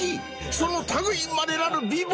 その類いまれなる美貌！